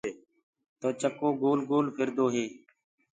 تو چڪو گول گول ڦِردو هي۔